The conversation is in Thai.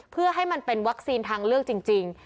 เพื่อให้มันเป็นวัคซีนทางเลือกจริง